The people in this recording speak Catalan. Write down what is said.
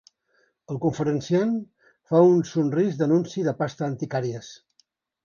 El conferenciant fa un somrís d'anunci de pasta anticàries.